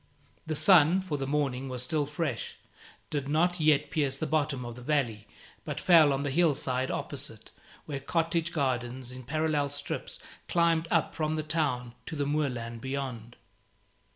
The sun for the morning was still fresh did not yet pierce to the bottom of the valley, but fell on the hillside opposite, where cottage gardens in parallel strips climbed up from the town to the moorland beyond.